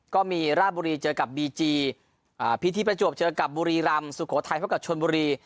ก็มีราบุรีเจอกับบีจีอ่าพิธีประจวบเจอกับบุรีรำสุโขทัยพบกับชนบุรี